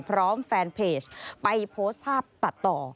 แฟนเพจไปโพสต์ภาพตัดต่อ